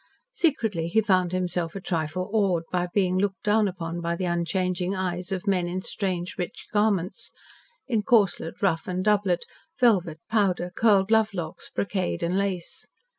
Secretly he found himself a trifle awed by being looked down upon by the unchanging eyes of men in strange, rich garments in corslet, ruff, and doublet, velvet, powder, curled love locks, brocade and lace.